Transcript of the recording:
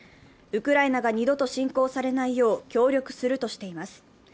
ウクライナが二度と侵攻されないよう協力するとしています。